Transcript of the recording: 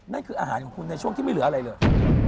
นั่นคืออาหารของคุณในช่วงที่ไม่เหลืออะไรเลย